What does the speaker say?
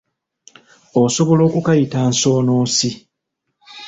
Osobola okukayita nsoonoosi.